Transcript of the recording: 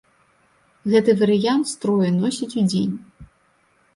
Гэты варыянт строю носяць удзень.